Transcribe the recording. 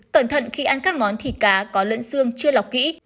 cẩn thận khi ăn các món thịt cá có lẫn xương chưa lọc kỹ